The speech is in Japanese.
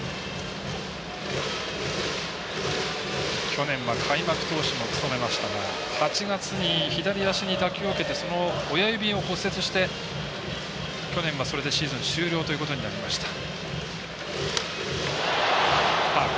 去年は開幕投手も務めましたが８月に左足に打球を受けて親指を骨折して去年はそれでシーズン終了となりました。